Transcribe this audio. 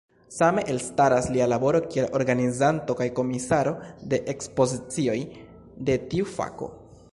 Same, elstaras lia laboro kiel organizanto kaj komisaro de ekspozicioj de tiu fako.